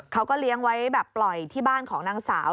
เขาก็เลี้ยงไว้แบบปล่อยที่บ้านของนางสาว